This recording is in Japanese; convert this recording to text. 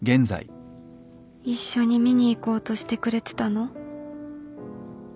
一緒に見に行こうとしてくれてたの？